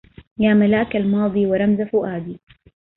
يا ملاك الماضي ورمز فؤادي